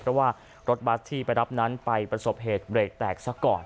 เพราะว่ารถบัสที่ไปรับนั้นไปประสบเหตุเบรกแตกซะก่อน